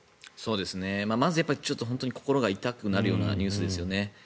まず本当に心が痛くなるようなニュースですよね。